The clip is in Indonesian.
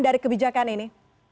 dari kebijakan ini